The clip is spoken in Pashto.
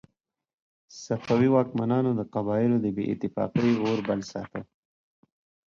صفوي واکمنانو د قبایلو د بې اتفاقۍ اور بل ساته.